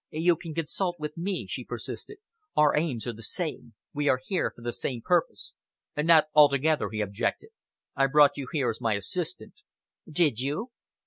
"You can consult with me," she persisted. "Our aims are the same. We are here for the same purpose." "Not altogether," he objected. "I brought you here as my assistant." "Did you?"